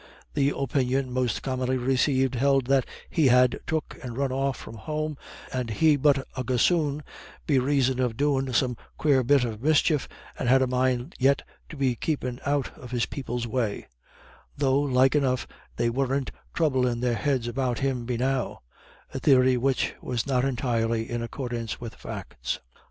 The opinion most commonly received held that he had "took and run off from home, and he but a gossoon, be raison of doin' some quare bit of mischief, and had a mind yet to be keepin' out of his people's way; though, like enough, they weren't throublin' their heads about him be now;" a theory which was not entirely in accordance with facts.